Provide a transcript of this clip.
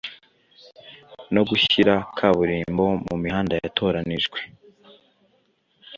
no gushyira kaburimbo mu mihanda yatoranijwe